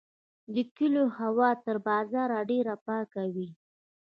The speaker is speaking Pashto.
د کلیو هوا تر بازار ډیره پاکه وي.